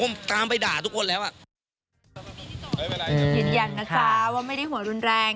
ว่าไม่ได้หัวรุนแรง